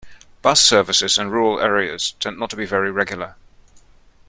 Bus services in rural areas tend not to be very regular.